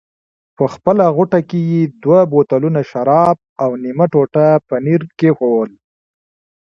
په خپله غوټه کې یې دوه بوتلونه شراب او نیمه ټوټه پنیر کېښوول.